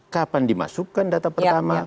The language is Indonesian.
kapan dimasukkan data pertama